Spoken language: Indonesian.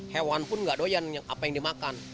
hewan pun gak doyan apa yang dimakan